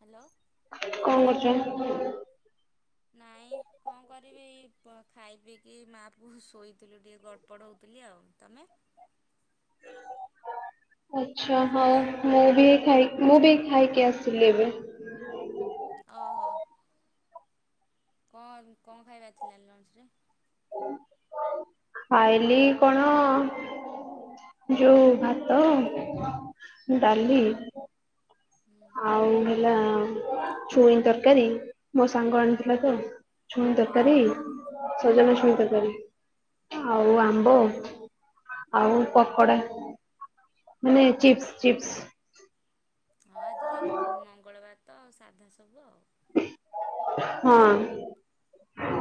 Hello. କଣ କରୁଛ? ନାଇଁ କଣ କରିବି ପ ଖାଇ ପିଇକି ମାଆ ପୁଅ ଶୋଇଥିଲୁ ଟିକେ ଗଟ ପଢ଼ଉଥିଲି ଆଉ। ତମେ? ଆଚ୍ଛା ହଉ ହ୍ୟାଲୋ ମୁଁ ବି ଖାଇ ମୁଁ ବି ଖାଇକି ଆସିଲି ଏବେ। ଓହୋ। କଣ କଣ ଖାଇବା ଥିଲା ଲଞ୍ଚରେ? ଖାଇଲିି କଣ ଯୋଉ ଭାତ, ଡାଲି ଆଉ ହେଲା ଛୁଇଁ ତରକାରୀ ମୋ ସାଙ୍ଗ ଆଣିଥିଲା ତ ଛୁଇଁ ତରକାରୀ ଓହୋ ସଜନା ଛୁଇଁ ତରକାରୀ ଆଉ ଓହୋ ଆମ୍ବ। ଆଉ ପକୋଡା ମାନେ ଚିପ୍ସ ଚିପ୍ସ। ହଁ ଆଜି ର ମଙ୍ଗଳବାର ତ ସାଧା ସବୁ ଆଉ। ହଁ।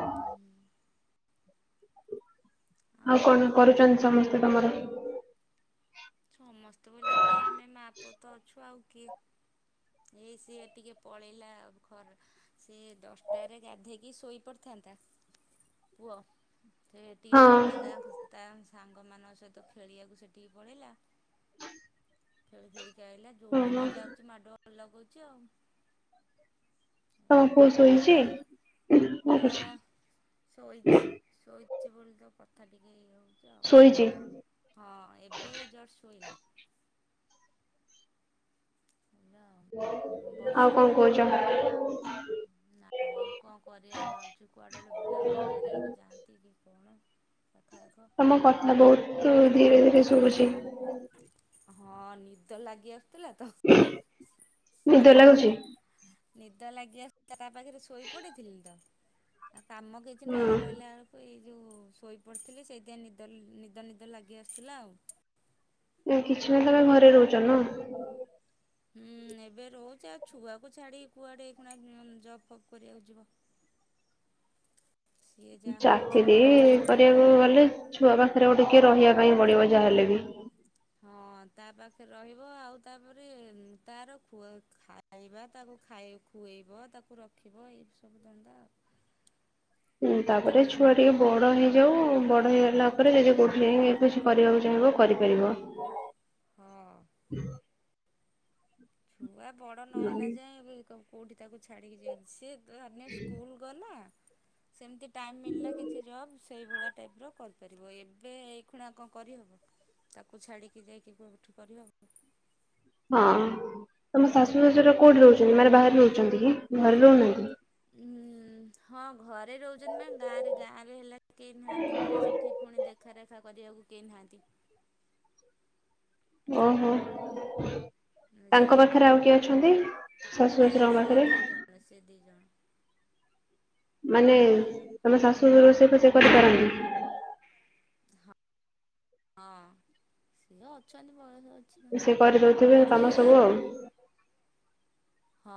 ହୁଁ। ଆଉ କଣ କରୁଛନ୍ତି ସମସ୍ତେ ତମର? ସମସ୍ତେ ବୋଲେ କିଏ ଆମେ ମା ପୁଅ ତ ଅଛୁ ଆଉ କିଏ। ଏଇ ସିଏ ଟିକେ ପଳେଇଲା ଖର୍ ସେ ଦଶଟାରେ ଗାଧେଇକି ଶୋଇପାଡିଥାନ୍ତା ପୁଅ। ସେ ଟିକେ ହଁ ପଡ଼ିଲା ତା ତା ସାଙ୍ଗମାନଙ୍କ ସହିତ ଖେଳିବାକୁ ସେଠିକି ପଳେଇଲା। ଖେଳି ଖେଳିକି ଆାଇଲା ଯୋଉଠି ଓହୋ ତ ଯାଉଛି ମାଡଗୋଳ ଲଗାଉଛି ଆଉ। ଏଇଆ ଆଉ। ଶୋଇଚି? ହଁ ଶୋଇଛି ଶୋଇଛି ବୋଲି ତ କଥା ଟିକେ ହେଇ ହଉ [unintelligible] କଣ ଶୋଇଛି। କରିବା। ହଁ ଏବେ ଜଷ୍ଟ୍ ଶୋଇଲା। ଆଉ [inaudible] ଆଉ ବର୍ଷା କଣ ପାଗ କହୁଛ? ନାଇଁ କଣ କରିବା ଭାବୁଛୁ କୁଆଡେ ବେଳେ ବୁଲାବୁଲି କରିବାକୁ ଯାଆନ୍ତି କି କଣ? ପାଖ ଆଖ ତମ କଥା ବହୁତ ଧୀରେ ଧୀରେ ଶୁଭୁଛି। ହଁ ନିଦ ଲାଗି ଆସୁଥିଲା ନିଦ [unintelligible] ଲାଗୁଛି? ନିଦ ଲାଗିଆ ତା ପାଖରେ ଶୋଇ ପଡିଥିଲି ତ ଆଉ କାମ କିଛି ନ ହଁ ରହିଲା ବଳ ଏଇ ଯୋଉ ଶୋଇପଡ଼ିଥିଲି ସେଇଥିପାଇଁ ନିଦ ନିଦ ନିଦ ଲାଗି ଆସୁଥିଲା ଆଉ। କିଛି ନାହିଁ ତମେ ଘରେ ରହୁଛ ନା? ହୁଁ ଏବେ ରହୁଛି ଆଉ ଛୁଆକୁ ଛାଡ଼ିିକି କୁଆଡେ ଆଇ କଣା ଜବ୍ ଫବ୍ କରିବାକୁ ଯିବ। ସିଏ ଯାହା ହଉଛି। ଚାକିରି କରିବାକୁ ଗଲେ ଛୁଆ ପାଖରେ ଗୋଟିଏ କିଏ ରହିବା ପାଇଁ ପଡ଼ିବ ଯାହା ହେଲେ ବି। ହଁ ତା ପାଖରେ ରହିବ ଆଉ ତାପରେ ତାର ଖୁଆ ଖାଇ ଖାଇବା ତାକୁ ଖାଇ ଖୁଆଇବ ତାକୁ ରଖିବ ଏଇ ସବୁ ଧନ୍ଦା ଆଉ। ହୁଁ ଏତେ ତାପରେ ଟାଇମ୍ ଛୁଆ ଟିକେ ବଡ଼ ହେଇଯାଉ ବଡ଼ ହେଇଗଲା ପରେ ଯେ ଯେ କେଉଁଠି କିଛି କରିବାକୁ ଚାହିଁବ କରିପାରିବ। ହଁ। ଛୁଆ ବଡ଼ ନହେଲା ହଁ। ଯାଏଁ ଏବେ କଉଠି ତାକୁ ଛାଡ଼ିକି ଯିଅନ୍ତି ସିଏ [unintelligible] ସ୍କୁଲ ଗଲା। ସେମତି ଟାଇମ୍ ମିଳିଲା କିଛି ଜବ୍ ସେଇଭଳିଆ ଟାଇପର୍ କରିପାରିବ। ଏବେ ଏଇ ଖୁନାକ କରିହବ। ତାକୁ ଛାଡ଼ିକି ଯାଇକି? [unintelligible] ହଁ ତମ ଶାଶୁ ଶ୍ୱଶୁର କୋଉଠି ରହୁଛନ୍ତି ମାନେ ବାହାରେ ରହୁଛନ୍ତି କି ଘରେ ରହୁନାହାନ୍ତି? ଉଁ ହଁ ଘରେ ରହୁଛନ୍ତି ମାନେ ଗାଁରେ ଗାଁରେ ହେଲା କେହି ନାହାନ୍ତି ନା ସେଠି ପୁଣି ଦେଖାରେଖା କରିବାକୁ କେହି ନାହାଁନ୍ତି। ଓହୋ। ଆଉ ସିଏ ତାଙ୍କ ଏଠି ପାଖରେ ଆଉ କିଏ ଅଛନ୍ତି ଶାଶୁ ଶଶୁରଙ୍କ ପାଖରେ? ସେ ଦିଇ ଜଣ। ମାନେ ଦି ଜଣ ତମ ଶାଶୁ ରୋଷେଇ ଫୋଷେଇ କରିପାରନ୍ତି? ହଁ। ସିଏ ଅଛନ୍ତି ସେ କରିଦଉଥିବେ [unintelligible] ଏଠି କାମ ସବୁ ଆ ଆଉ। ହଁ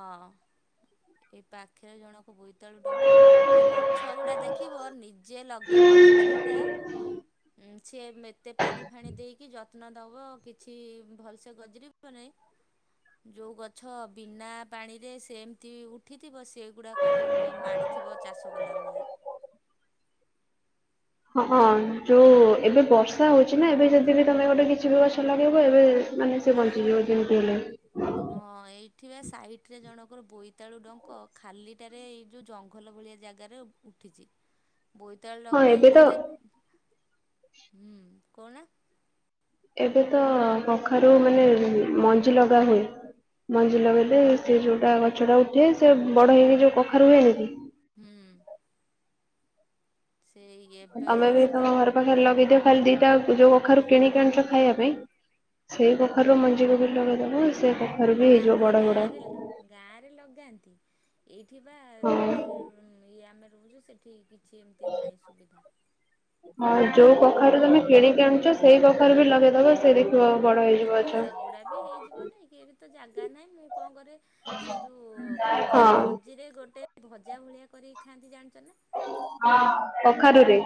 ଏଇ ପାଖରେ ଜଣକ ବୋଇତାଳୁ ଡଙ୍କ। ଏ ଗଛ ଗୁଡା ଦେଖି ଦେଖିବ ନିଜେ ଲଗେଇବ ଗଛ ଗୁଡା ସେ ତେ ପାଣି ଫାଣି ଦେଇକି ଯ ଯତ୍ନ ଦବ କିଛି ଭଲସେ ଗଜରି ଗଲେ ଯୋଉ ଗଛ ବିନା ପାଣିରେ ସେ ଏମିତି ଉଠିଥିବ ସେଗୁଡ଼ାକ କହିବ ମା-ମାଡ଼ିଥିବ ଚାଷ କଲା ଭଳିଆ। ହଁଁ ଯୋଉ ଏବେ ବର୍ଷା ହଉଛି ନା ଏବେ ଯଦି ବି ତମେ ଗୋଟେ କିଛି ବି ଗଛ ଲାଗେଇବ ଏବେ ମାନେ ସେ ବଞ୍ଚିଯିବ ଯେମିତି ହେଲେ। ହଁ ଏଇଠି ବା ସାଇଟ ରେ ଜଣଙ୍କର ବୋଇତାଳୁ ଡଙ୍କ ଖାଲିଟାରେ ଏଇ ଯୋଉ ଜ ଭଲ ଭଳିଆ ଜାଗାରେ ଉଠିଛି। ହ [inaudible] ବୋଇତାଳୁ ଲୋକ ଏତେ ହୁଁ କଣ ନା ଏବେ ତ କଖାରୁ ମାନେ ମଞ୍ଜି ଲଗା ହୁଏ। ମଞ୍ଜି ଲଗେଇଲେ ସେ ଯଉଟା ଗଛଟା ଉଠେ ସେ ବଡ଼ ହେଇ ହେଇ ଯଉ କଖାରୁ ହୁଏନି କି। ହୁଁ। ସେଇ ଏବେ ଆମେ ବି ତମ ଘର ପାଖରେ ହେଇ ଲଗେଇଦିଅ ଖାଲି ଦିଟା ଯୋଉ କଖାରୁ କିଣିି ଆଣିଛ ଖାଇବା ପାଇଁ ସେଇ କଖାରୁରୁ ମଞ୍ଜିକୁ ବି ଲଗେଇଦବ ସେ କ ଖାରୁ ବି ନା ହେଇଯିବ ଆମର ବଡ଼ ବଡ଼। ଗାଁରେ ଗାଁରେ ଲଗାନ୍ତି ଏଇଠି ବା ହଁ ଯେଉଁଠି ଇଏ ଆମେ ରହୁଛୁ ସେଠି କିଛି ଏମିତି ନାହିଁ ସୁବିଧା। ହଁ ଯୋଉ କଖାରୁ ତମେ କିଣିକି ଆଣିଛ ସେଇ କଖାରେ ବି ଲଗେଇଦବ ସେ ଦେଖ ବ ବଡ଼ ହେଇ ଯିବ। ହଁ ସେଗୁଡ଼ା ବି ହେଇଯିବ ନାହିଁ କି ଏବେ ତ ଜାଗା ନାହିଁ ମୁଁ କଣ କରେ ସେ ଯୋଉ କଖାରୁ ହଁ ମଞ୍ଜିରେ ଗୋଟେ ଭଜା ଭଳିଆ କରିକି ଖାଆନ୍ତି ଜାଣିଛ ନା? କଖାରୁ ରେ?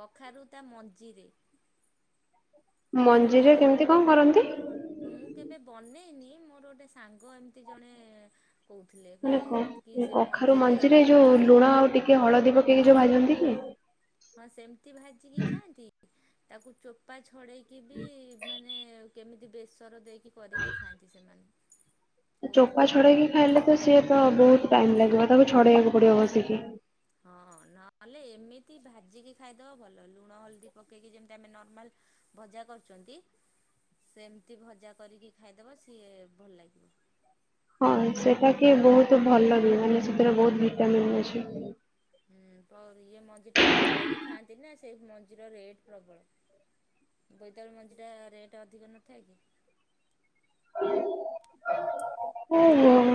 କଖାରୁ ତା ମଞ୍ଜିରେ। ତା ମଞ୍ଜିରେ କେମିତି କଣ କରନ୍ତି? ମୁଁ କେବେ ବନେଇନି ମୋର ଗୋଟେ ସାଙ୍ଗ ଏମିତି ଜଣେ କହୁଥିଲେ ମାନେ କହି କ କି ଏ ସେ କଖାରୁ ମଞ୍ଜିିକି ମଞ୍ଜିରେ ରଖିକି ଯୋଉ ଲୁଣ ଆଉ ଟିକେ ହଳଦୀ ପକେଇକି ଯୋଉ ଭାଜନ୍ତି କି? ହଁ ସେମିତି ଭାଜିକି ଖାଆନ୍ତି ତାକୁ ଚୋପା ଛଡ଼େଇକି ବି ମାନେ କେମିତି ବେସର ଦେଇକି କରିକି ଖାଆନ୍ତି ସେମାନେ। ଚୋପା କହୁଥିଲେ। ଛଡେଇକି ଖାଇଲେ ତ ସିଏ ତ ବହୁତ ଟାଇମ ଲାଗିବ ତାକୁ ଛଡେଇବାକୁ ପଡିବ ବସିକି। ହଁ ନହେଲେ ଏମିତି ଭାଜିକି ଖାଇଦବା ଭଲ ଲୁଣ ହଳଦୀ ପକେଇକି ଯେମିତି ଆମେ ନର୍ମାଲ ଭଜା କରୁଛନ୍ତି ସେମିତି ଭଜା କରିକି ଖାଇଦେବ ସିଏ ଭଲ ଲାଗିବ। ହଁ ସେଟା କି ବହୁତ ଭଲ ବି ମାନେ ସେଥିରେ ବହୁତ ଭିଟାମିନ୍ ଅଛି। ହୁଁ ପର ଇଏ ମଞ୍ଜି ଟା କିଣିକି ଖାଆନ୍ତି ନା ସେଇ ମଞ୍ଜିର ରେଟ୍ ପ୍ରବଳ। ବୋଇତାଳୁ ମଞ୍ଜିଟା ରେଟ୍ ଅଧିକ ନଥାଏ କି।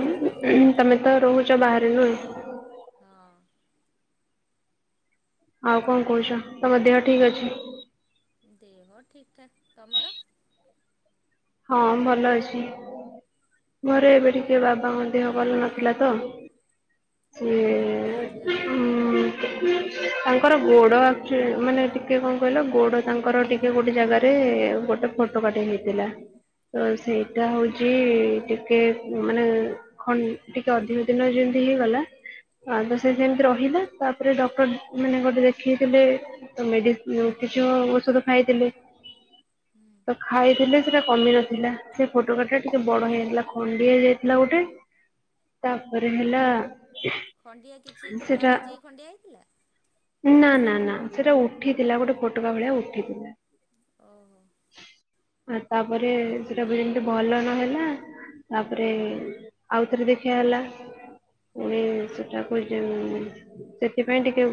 ଆଉ ତମେ ତ ରହୁଛ ବାହାରେ ନା? ହଁ। ଆଉ କଣ ହଁ କହୁଛ ତମ ଦେହ ଠିକ ଅଛି? ଦେହ ଠିକ ଠାକ୍ ତମର? ହଁ ଭଲ ଅଛି। ଘରେ ଏବେ ଟିକେ ଏଇ ବାବାଙ୍କ ଦେହ ଭଲ ନଥିଲା ତ ଓହୋ କଣ ହେଇଥିଲା? ସିଏ ହୁଁ। ତାଙ୍କର ଗୋଡ଼ ଆକ ମାନେ ଟିକେ କଣ କହିଲ ଗୋଡ଼ ତାଙ୍କର ଟିକେ ଗୋଟେ ଜାଗାରେ ଗୋଟେ ଫଟ ଫୋଟକାଟେ ହେଇଥିଲା ତ ଓହୋ ସେଇଟା ହଉଛି ଟିକେ ମାନେ ଖନ ଟିକେ ଅଧିକ ଦିନ ଯେମତି ହେଇଗଲା। ଆଉତ ସେ ସେମିତି ରହିଲା ତାପରେ ଡକ୍ଟର ମାନେ ଗୋଟେ ଦେଖେଇଥିଲେ ମେଡ଼ିସିନ କିଛି ଔଷଧ ଖାଇଥିଲି ତ ଖାଇଥିଲି ସେଟା କମି ନଥିଲା। ସେ ଫୋଟକାଟା ଟିକେ ବଡ ହେଇଯାଇଥିଲା ଖଣ୍ଡିଆ ହେଇଯାଇଥିଲା ଗୋଟେ ତାପରେ ହେଲା ଖଣ୍ଡିଆ କିଛି ଲୁହା ସେଟା ବାଜିକି ଖଣ୍ଡିଆ ହେଇଥିଲା। ନା ନା ନା ସେଟା ଉଠିଥିଲା ଗୋଟେ ଫୋଟକା ଭଳିଆ ଉଠିଥିଲା। ଓହୋ। ଆଉ ତାପରେ ସେଟା ବି ଯେମିତି ଭଲ ନହେଲା। ତାପରେ ଆଉଥରେ ଦେଖିବା ହେଲା ପୁଣି ହୁଁ। ସେଟାକୁ [inaudible] ସେଥିପାଇଁ ଟିକେ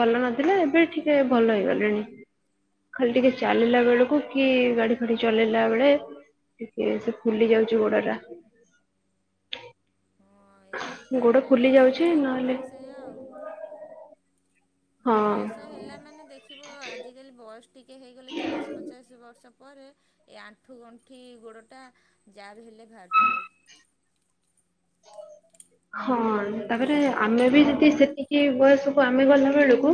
ଭଲ ନଥିଲା ଏବେ ଟିକେ ଭଲ ହେଇଗଲାଣି। ଖାଲି ଟିକେ ଓହୋ ଚାଲିଲା ବେଳକୁ କି ଗାଡି ଫାଡି ଚଲେଇଲା ବେଳେ ଟିକେ ସେ ଫୁଲି ଯାଉଛି ଗୋଡଟା। ହଁ ଏଇ ତ ଗୋଡ ଫୁଲି ବୟସ ଯାଉଛି ହେଲା ମାନେ ନହେଲେ ସେୟା ଆଉ ହଁ ବୟସ ହେଲା ମାନେ ଦେଖିବ ଆଜିକାଲି ବୟସ ଟିକେ ହେଇଗଲେ ଚାଳିଶ ପଚାଶ ବର୍ଷ ପରେ। ଏ ଆଣ୍ଠୁ ଗଣ୍ଠି ଗୋଡ଼ଟା ଯାହାବି ହେଲେ ବାହାରୁଛି ମୁଁ ହ ହଁ ତାପରେ ଆମେ ବି ଯଦି ସେତିକି ବୟସକୁ ଆମେ ଗଲା ବେଳକୁ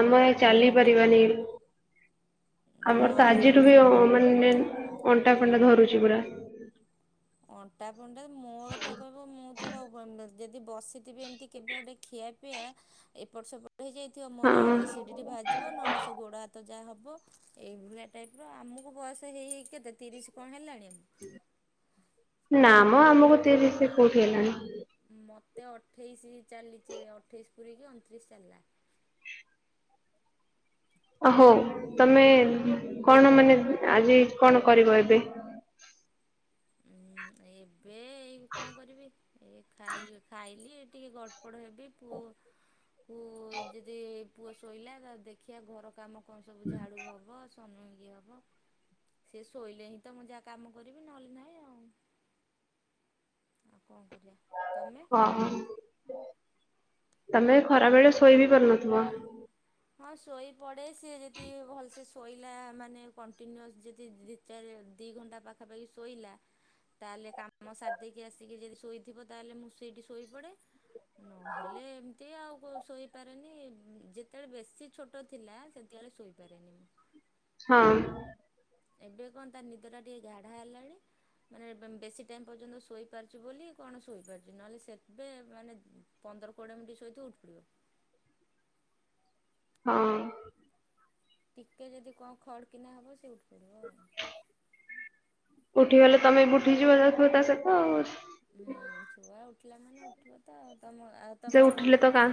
ଆମ ଚାଲି ପାରିବାନି। ଆମର ତ ହଁ ଆଜିରୁ ବି ମାନେ ଅଣ୍ଟା ଫଣ୍ଟା ଧରୁଛି ପୁରା। ଅଣ୍ଟା ଫଣ୍ଟା ମୋର ତ କହିବ ମୁଁ ତ କାହାକୁ କି ଯଦି ବସିଥିବି ଏମିତି କେବେ ଗୋଟେ ଖିଆପିଆ ଏପଟ ସେପଟ ହେଇଯାଇଥିବ ମୋର ହଁ ଏସିଡିଟି ଭାରିଜିବ ନହେଲେ ସେ ଗୋଡ଼ ହାତ ଯାହା ହବ ଏଇଭଳିଆ ଟାଇପ ର ଆମକୁ ବୟସ ହେଇ କେତେ ତିରିଶ କଣ ହେଲାଣି? ହ ନା ମ ଆମକୁ ପ ତିରିଶ କୋଉଠି ହେଲାଣି? ମୋତେ ଅଠେଇଶି ଚାଲିଚି ଅଠେଇଶି ପୁରିକିି ଅଣତିରିଶି ଚାଲିଲା ହଉ ତମେ କଣ ମାନେ ଆଜି କଣ କରିବ ଏବେ? ଉଁ ଏବେ ଏଇ କଣ କରିବି ଏ ଖାଇ ଖାଇଲି ଟିକେ ଗ ଗଡ଼ପଡ଼ ହେବି ପୁଅକୁ ଯଦି ପୁଅ ଶୋଇଲା ଦେଖିବା ଘର କାମ କଣ ସବୁ ଝାଡ଼ୁ ହବ ସେ ଶୋଇଲେ ହିଁ ତ ମୁଁ ଯାହା କାମ କରିବି ନହେଲେ ନା [inaudible] କଣ କରିବା ତମେ? ହଁ ତମେ ଖରା ବେଳେ ଶୋଇ ବି ପାରୁନଥିବ? ହଁ ଶୋଇ ପଡେ ସିଏ ଯଦି ଭଲ ସେେ ଶୋଇଲା ମାନେ କଣ୍ଟିନ୍ୟୁସ୍ ଯଦି ଚାର ଦି ଘଣ୍ଟା ପାଖାପାଖି ଶୋଇଲା ତାହେଲେ କାମ କାମ ସାର ଦେଇକି ଆସିକି ଯଦି ଶୋଇଥିବ ତାହେଲେ ମୁଁ ସେଇଠି ଶୋଇପଡେ ନହେଲେ ଏମିତି ଆଉ ଶୋଇପାରେନି ଯେ ସେତେବେଳେ ବେଶୀ ଛୋଟ ଥିଲା ସେତେବେଳେ ଶୋଇପାରେନି ମୁଁ ହଁ। ଏବେ କଣ ତ ନିଦଟା ଟିକେ ଗାଢା ହେଲାଣି ମାନେ ବେଶୀ ଟାଇମ୍ ପର୍ଯ୍ୟନ୍ତ ଶୋଇପାରୁଚିି ବୋଲି କଣ ଶୋଇପାରୁଚି ନହେଲେ ସେବେ ମାନେ ପନ୍ଦର କୋଡ଼ିଏ ମିନି୍ଟି ଶୋଇଥିବ ଉଠି ପଡିବ। ହଁ। ଟିକେ ଯଦି କଣ ଖଡ଼୍ କିନା ହବ ସିଏ ଉଠି ପଡିବ ଆଉ। ଉଠିଗଲେ ତୋମେ ବି ଉଠିଯିବ ଯାଉଥିବ ତା ସହିତ ଆଉ। ହୁଁ, ଛୁଆ ଉଠିଲା ମାନେ ଉଠିବ ତ ତୋମେ ଆଉରୁ ସେ ତୋମର ଉଁ, ଉଠିଲେ ତ କା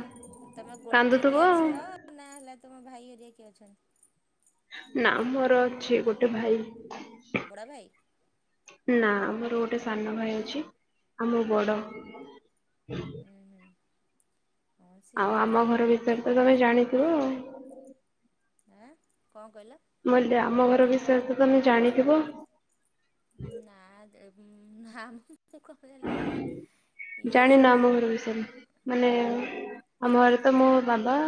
ତୋମେ କାନ୍ଦୁଥିବ ଗୋଟିକିଆ ଆଉ। ଝିଅ ନା ହେଲା ତୋମ ଭାଇ ହେରିଆ କିଏ ଅଛନ୍ତି? ନା ମୋର ଅଛି ଗୋଟେ ଭାଇ। ବଡ଼ ଭାଇ? ନା ଆମର ଗୋଟେ ସାନ ଭାଇ ଅଛି, ଆଉ ମୁଁ ବଡ। [unintelligible] ଉଁ, ହୁଁ। ହଁ ଆଉ ସିଙ୍ଗିଲ୍ ଆମ ଫ୍ୟାମିଲି ଘର ବିଷୟରେ ତ ତୋମେ ଜାଣିଥିବ ଆଉ। ଆଁ, କଣ କହିଲ? ମୁଁ କଇଲି ଯେ ଆମ ଘର ବିଷୟରେ ତ ତୋମେ ଜାଣିଥିବ। ନା ଦେ-ହୁଁ, ନା ମୁଁ କଣ ଜାଣିଲି ଏଇ ଇଏ ଜାଣିନ ଆମ ସିଙ୍ଗଲ୍ [inaudible] ଘର ବିଷୟରେ ମାନେ ଆମ ଘଲେ ତ ମୋ ବାବା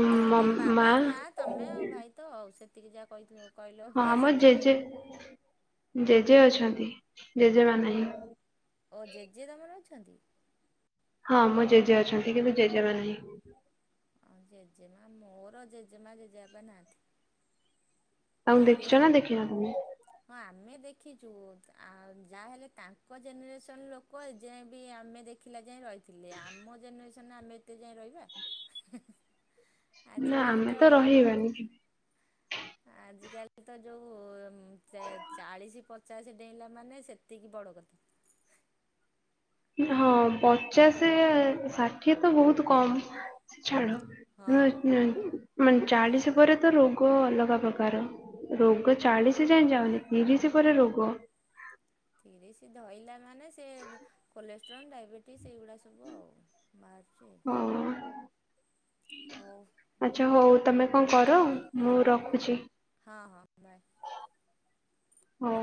ହଁ ତୋମ ବାବା ମା ତୋମେ ଆଉ ଭାଇ ତ ଆଉ ସେତିକି ଯାହା କହିଥିଲ। କହିଲ ହଁ ଯେ ଆମ ସେତିକ। ଜେଜେ ଜେଜେ ଅଛନ୍ତି, ଜେଜେମା ନାହିଁ। ଓ ଜେଜେ ତୋମର ଅଛନ୍ତି? ହଁ ମୋ ଜେଜେ ଅଛନ୍ତି, କିନ୍ତୁ ଜେଜେମା ନାହିଁ। ହଁ ଜେଜେମା ମୋର ଜେଜେମା ଜେଜେବାପା ନାହାନ୍ତି। ଆଉ ଦେଖିଛ ନା ସିଏ ଦେଖିନ ତୋମେ? ହଁ ଆମେ ଦେଖିଛୁ ଆ, ଯାହାହେଲେ ତାଙ୍କ ଜେନେରେସନ୍ ଲୋକ ଏ ଯାଏଁ ବି ଆମେ ଦେଖ ଖିଲା ଯାଏଁ ରହିଥିଲେ, ଆମ ଜେନେରେସନ୍ ଆମେ ଏତେ ଯାଏଁ ରହିବା। ନା ଆଜିିକାଲି ଆମେ ତ ରହିବାନି ଆଜିକାଲି ତ ଯୋଉ ଉଁ, ସେ ଚାଳିଶ ପଚାଶ ଡେଇଁଲା ମାନେ ସେତିକି ବଡ କଥା। ଇ-ହଁ ପଚାଶେ ଷାଠିଏ ତ ବହୁତ କମ୍ ଛାଡ। ହଁ [unintelligible] ମାନେ ଚାଳିଶି ପରେ ତ ରୋଗ ଅଲଗା ପ୍ରକାର। ରୋଗ ଚାଳିଶ ଯାଏ ଯାଉନି ତିରିଶ ପରେ ରୋଗ। ତିରିଶି ଧଇଲା ମାନେ ସେ କୋଲେଷ୍ଟ୍ରନ୍, ଡାଇବେଟିସ୍ ଏଇଗୁଡ଼ା ସବୁ ଆଉ ବାହାରୁଛି। ହଁ ହଉ ଆଚ୍ଛା ହଉ ତୋମେ କଣ କର ମୁଁ ରଖୁଛି। ହଁ, ହଁ ବାଏ। ହଁ।